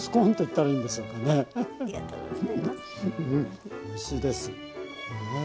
うんおいしいです。